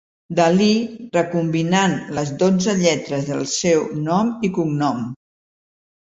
Dalí recombinant les dotze lletres del seu nom i cognom.